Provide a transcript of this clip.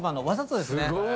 わざとですね。